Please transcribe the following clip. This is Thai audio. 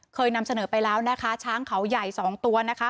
เคยนำเสนอไปแล้วนะคะช้างเขาใหญ่สองตัวนะคะ